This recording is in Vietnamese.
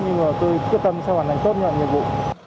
nhưng tôi quyết tâm sẽ hoàn thành tốt nhuận nhiệm vụ